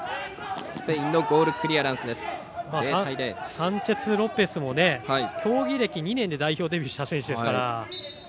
サンチェスロペスも競技歴２年で代表デビューした選手ですから。